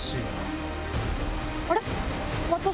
あれ？